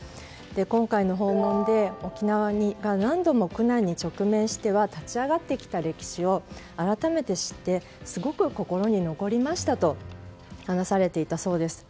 今回の訪問で沖縄が何度も苦難に直面しては立ち上がってきた歴史を改めて知ってすごく心に残りましたと話されていたそうです。